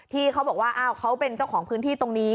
ที่เขาบอกว่าอ้าวเขาเป็นเจ้าของพื้นที่ตรงนี้